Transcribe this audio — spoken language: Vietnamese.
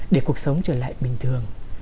để cuộc sống trở lại bình thường